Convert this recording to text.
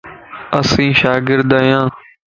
اسين شاگرد ايان